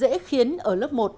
dễ khiến ở lớp một